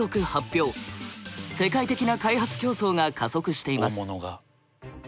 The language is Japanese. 世界的な開発競争が加速しています。